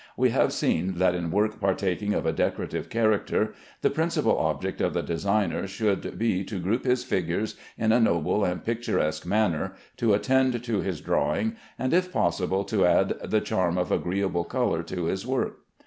We have seen that in work partaking of a decorative character the principal object of the designer should be to group his figures in a noble and picturesque manner, to attend to his drawing, and if possible to add the charm of agreeable color to his work.